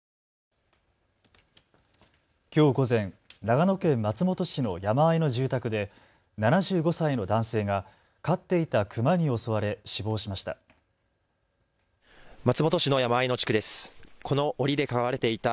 きょう午前、長野県松本市の山あいの住宅で７５歳の男性が飼っていたクマに襲われ死亡しました。